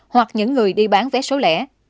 hoặc những người đi bán vé số lẻ